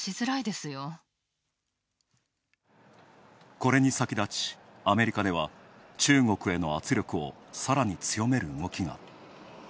これに先立ち、アメリカでは中国への圧力をさらに強める動きが。